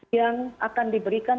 yang akan diberikan